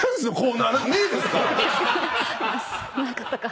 なかったか。